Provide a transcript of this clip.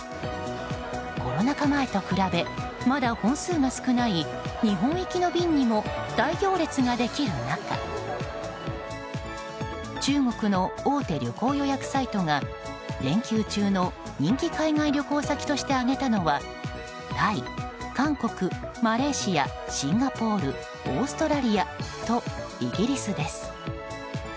コロナ禍前と比べまだ本数が少ない日本行きの便にも大行列ができる中中国の大手旅行予約サイトが連休中の人気海外旅行先として挙げたのはタイ、韓国、マレーシアシンガポールオーストラリアとイギリスです。